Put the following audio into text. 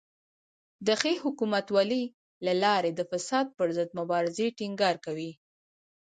د ښې حکومتولۍ له لارې د فساد پر ضد مبارزې ټینګار کوي.